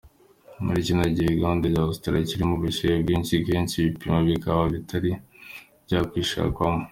Muri kino gihe igihugu ca Australia kirimwo ubushuhe bwinshi, henshi ibipimo bikaba bitari bwashikweko.